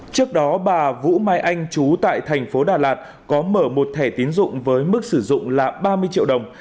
trước đó bà vũ mai anh chú tại thành phố đà lạt có mở một thẻ tiến dụng với mức sử dụng là ba mươi triệu đồng